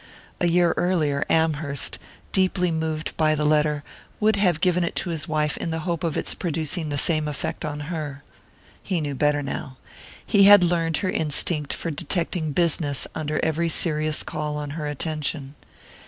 A year earlier Amherst, deeply moved by the letter, would have given it to his wife in the hope of its producing the same effect on her. He knew better now he had learned her instinct for detecting "business" under every serious call on her attention.